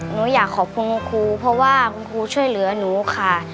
หนูอยากขอบคุณคุณครูเพราะว่าคุณครูช่วยเหลือหนูค่ะ